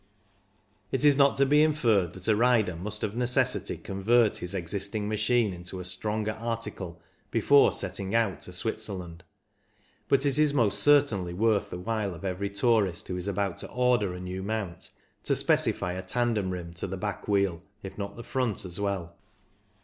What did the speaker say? It is not to be inferred that a rider must of necessity convert his exist ing machine into a stronger article before setting out for Switzerland, but it is most certainly worth the while of every tourist who is about to order a new mount to specify a tandem rim to the back wheel, if not the front as well.